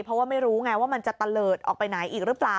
เพราะว่าไม่รู้ไงว่ามันจะตะเลิศออกไปไหนอีกหรือเปล่า